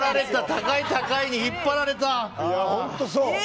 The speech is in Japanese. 高い高いに引っ張られた。